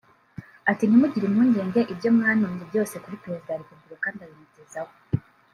ati “Ntimugire impungenge ibyo mwantumye byose kuri Perezida wa Repubulika ndabimugezaho